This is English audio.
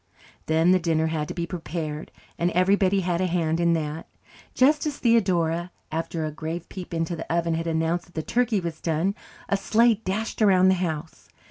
Then the dinner had to be prepared, and everybody had a hand in that. Just as Theodora, after a grave peep into the oven, had announced that the turkey was done, a sleigh dashed around the house.